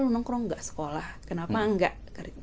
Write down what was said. lu nongkrong gak sekolah kenapa gak